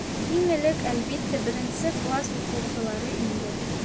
Иң элек, әлбиттә, беренсе класс уҡыусылары инде.